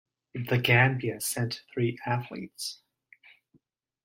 The Gambia sent three athletes.